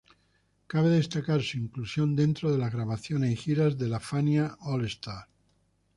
Cabe destacar su inclusión dentro de las grabaciones y giras de la Fania All-Stars.